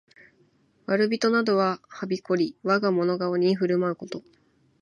悪人などがはびこり、我がもの顔に振る舞うこと。